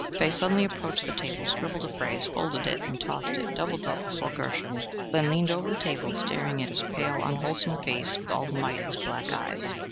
Fay suddenly approached the table, scribbled a phrase, folded it and tossed it, doubled up, before Gershom; then leaned over the table, staring at his pale, unwholesome face with all the might of his black eyes.